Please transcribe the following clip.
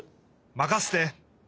まかせて！